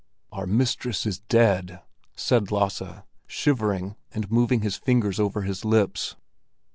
"Our mistress is dead!" said Lasse, shivering and moving his fingers over his lips.